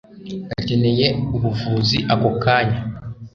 akeneye ubuvuzi ako kanya.